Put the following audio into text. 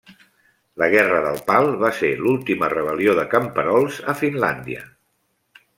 La Guerra del Pal va ser l'última rebel·lió de camperols a Finlàndia.